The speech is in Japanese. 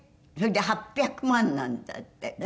それで８００万なんだって。